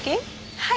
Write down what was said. はい。